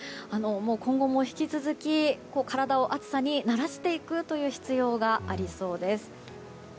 今後も引き続き、体を暑さに鳴らしていく必要がありそうです。